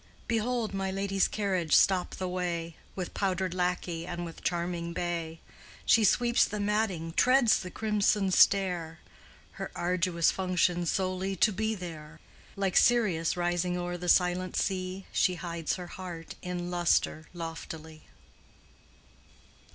Behold my lady's carriage stop the way. With powdered lacquey and with charming bay; She sweeps the matting, treads the crimson stair. Her arduous function solely "to be there." Like Sirius rising o'er the silent sea. She hides her heart in lustre loftily.